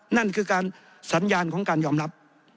นั่นคือการสัญญาณของการยอมรับ